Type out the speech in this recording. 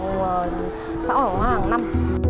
mình làm trường sống ở ngoài hàng năm